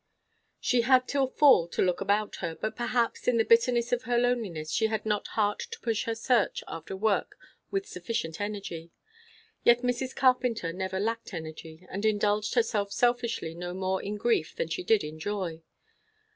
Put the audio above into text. She had till fall to look about her. But perhaps, in the bitterness of her loneliness, she had not heart to push her search after work with sufficient energy. Yet Mrs. Carpenter never lacked energy, and indulged herself selfishly no more in grief than she did in joy.